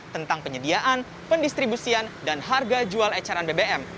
tentang penyediaan pendistribusian dan harga jual ecaran bbm